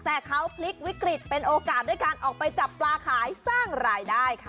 แต่เขาพลิกวิกฤตเป็นโอกาสด้วยการออกไปจับปลาขายสร้างรายได้ค่ะ